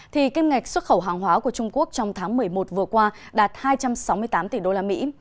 thì kim ngạch xuất khẩu hàng hóa của trung quốc trong tháng một mươi một vừa qua đạt hai trăm sáu mươi tám tỷ đô la mỹ